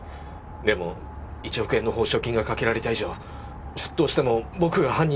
でも１億円の報奨金がかけられた以上出頭しても僕が犯人にされる。